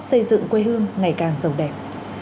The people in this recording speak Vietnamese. xây dựng quê hương ngày càng giàu đẹp